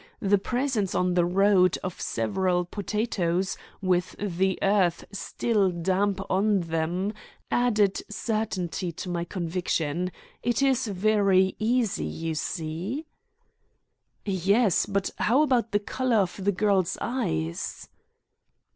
The presence on the road of several potatoes, with the earth still damp on them, added certainty to my convictions. It is very easy, you see." "Yes, but how about the colour of the girl's eyes?"